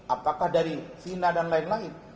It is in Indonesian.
apakah dari china dan lain lain